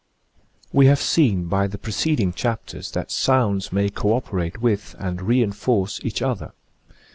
We have seen by the preceding chapters that sounds may co operate with and re enforce each other.